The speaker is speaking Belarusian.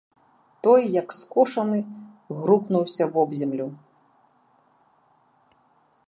Той як скошаны грукнуўся вобземлю.